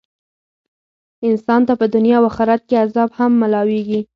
انسان ته په دنيا او آخرت کي عذاب هم ميلاويږي .